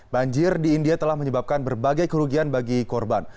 banjir di india telah menyebabkan berbagai kerugian bagi korban